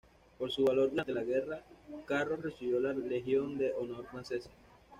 Por su valor durante la guerra, Carroll recibió la Legión de Honor francesa.